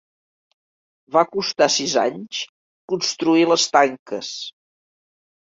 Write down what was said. Va costar sis anys construir les tanques.